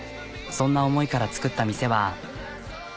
そんな思いから作った店は。